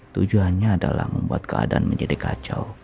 tujuannya adalah membuat keadaan menjadi kacau